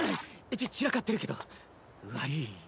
ち散らかってるけど悪ぃ。